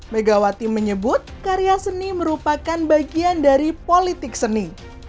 megawati menyebut karya seni merupakan bagian dari politik seni